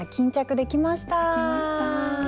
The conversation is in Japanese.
できました。